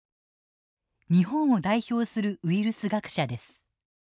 日本を代表するウイルス学者です。